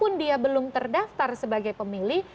walaupun dia belum terdaftar sebagai pemilih